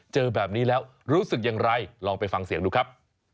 เจอแบบนี้แล้วรู้สึกอย่างไรลองไปฟังเสียงดูครับ